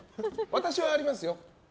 私はありますよ。